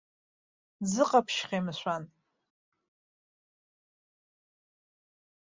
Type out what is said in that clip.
Дзыҟаԥшьхеи, мшәан?